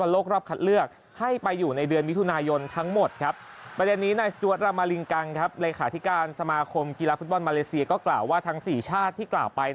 เลขาธิการสมาคมกีฬาฟุตบอลมาเลเซียก็กล่าวว่าทั้ง๔ชาติที่กล่าวไป